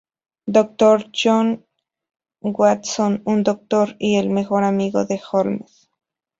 Doctor John H. Watson: Un doctor y el mejor amigo de Holmes.